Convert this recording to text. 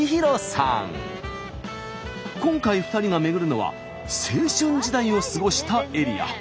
今回２人が巡るのは青春時代を過ごしたエリア。